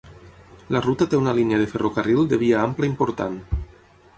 La ruta té una línia de ferrocarril de via ampla important.